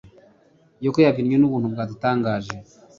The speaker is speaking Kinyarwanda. Yoko yabyinnye nubuntu bwadutangaje.